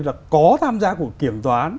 là có tham gia của kiểm toán